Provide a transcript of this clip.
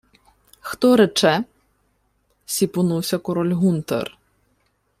— Хто рече? — сіпонувся король Гунтер.